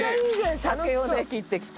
竹をね切ってきて。